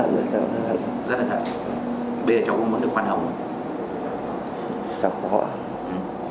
rất hận lời bây giờ cháu cũng muốn được khoan hồng rồi